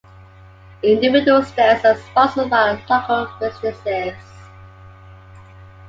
Individual stands are sponsored by local businesses.